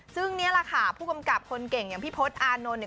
ซึ่งนี่แหละค่ะผู้กำกับคนเก่งอย่างพี่พศอานนท์เนี่ย